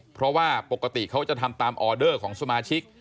เพราะว่าปกติเขาจะทำตามออเดอร์ของสมาชิก